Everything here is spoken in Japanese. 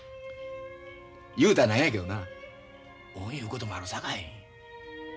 言うたらなんやけどな運いうこともあるさかい。